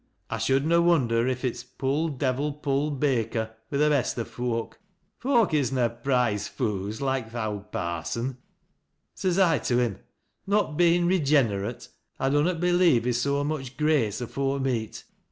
I shculd ua wonder if it's ' pull devil, pull baker,' wi' th' best o' foak, — ^foak as is na prize foo's, loike th' owd parson. Ses I to liim, ' Not bein' regenerate, I dunnot believe i' so much grace afore meat.